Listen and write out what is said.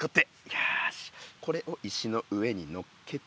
よしこれを石の上にのっけてと。